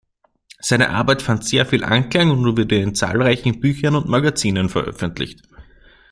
Seine Arbeit fand sehr viel Anklang und wurde in zahlreichen Büchern und Magazinen veröffentlicht.